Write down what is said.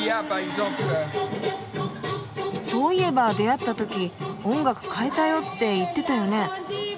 そういえば出会ったとき「音楽変えたよ」って言ってたよね。